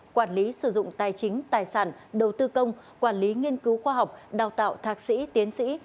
quản lý sử dụng tài chính tài sản đầu tư công quản lý nghiên cứu khoa học đào tạo thạc sĩ tiến sĩ